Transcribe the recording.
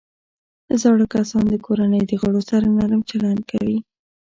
زاړه کسان د کورنۍ د غړو سره نرم چلند کوي